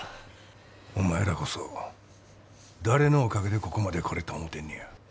お前らこそ誰のおかげでここまで来れた思うてんねや。